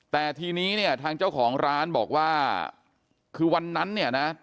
แต่ทีนี้เนี่ยทางเจ้าของร้านบอกว่าคือวันนั้นเนี่ยนะ